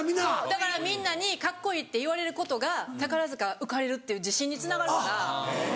だからみんなにカッコいいって言われることが宝塚受かれるっていう自信につながるから。